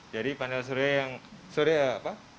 jadi panel surya yang surya apa